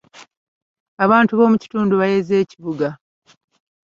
Abantu b'omu kitundu baayeze ekibuga.